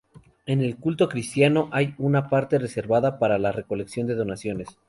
En el culto cristiano, hay una parte reservada para la recolección de donaciones.